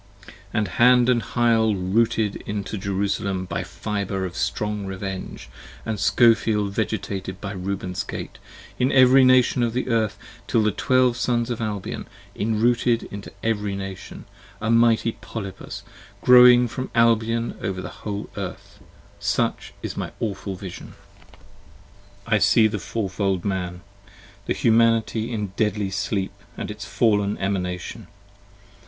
p. 15 AND Hand & Hyle rooted into Jerusalem by a fibre Of strong revenge, & Scofeld Vegetated by Reuben's Gate In every Nation of the Earth, till the Twelve Sons of Albion Enrooted into every Nation : a mighty Polypus growing 5 From Albion over the whole Earth : such is my awful Vision. I see the Four fold Man. The Humanity in deadly sleep, And its fallen Emanation.